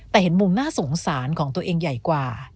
แต่เห็นมุมน่าสงสารของตัวเองใหญ่กว่า